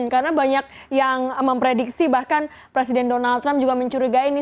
karena banyak yang memprediksi bahkan presiden donald trump juga mencurigai